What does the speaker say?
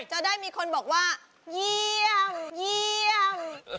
จะได้มีคนบอกว่าเยี่ยมเยี่ยม